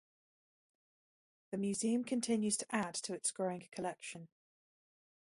The museum continues to add to its growing collection.